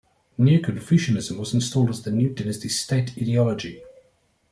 Neo-Confucianism was installed as the new dynasty's state ideology.